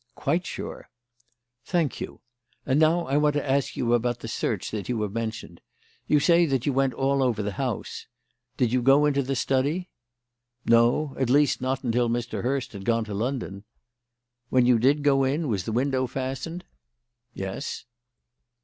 "Quite sure." "Thank you. And now I want to ask you about the search that you have mentioned. You say that you went all over the house. Did you go into the study?" "No at least, not until Mr. Hurst had gone to London." "When you did go in, was the window fastened?" "Yes."